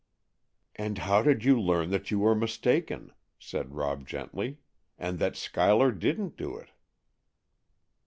"And how did you learn that you were mistaken," said Rob gently, "and that Schuyler didn't do it?"